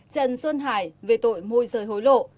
trần xuân hải về tội môi giờ hối lộ